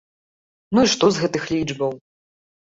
Ну і што з гэтых лічбаў?